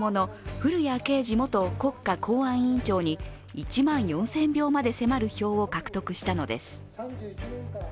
古屋圭司元国家公安委員長に１万４０００票まで迫る票を獲得したのです。